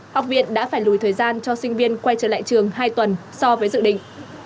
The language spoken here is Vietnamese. học viện đã phải lùi thời gian cho sinh viên quay trở lại trường hai tuần so với dự định